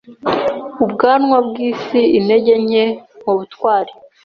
ubwanwa bwisi Intege nke mubutwari